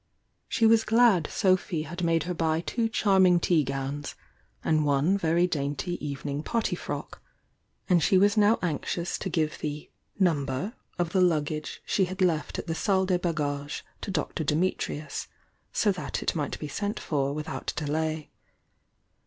She was glad Sophy 128 THE YOUNG DIANA had made her buy two channing tea gowns, and one very dainty evening party frock; and she was now anxious to give the "number" of the luggage she had left at the Salle des Bagages to Dr. Dimitrius, so that it might be sent for without delay.